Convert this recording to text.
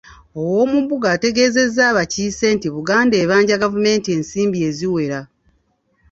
Owoomumbuga ategeezezza abakiise nti Buganda ebanja gavumenti ensimbi eziwera